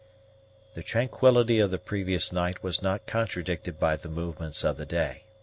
_ The tranquillity of the previous night was not contradicted by the movements of the day.